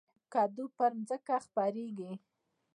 کدو په ځمکه خپریږي